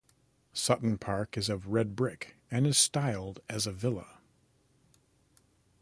Sutton Park is of red brick and is styled as a villa.